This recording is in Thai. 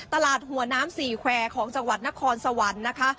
ตลาดหัวน้ำสี่แควร์ของจังหวัดนครสวรรค์นะคะ